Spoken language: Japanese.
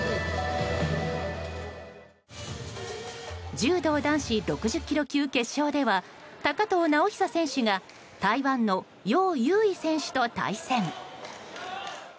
柔道男子６０ｋｇ級決勝では高藤直寿選手が台湾のヨウ・ユウイ選手と対戦。